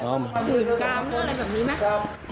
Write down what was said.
ดูเข้าข่ายเขาจะเป็นเครื่องแห่ง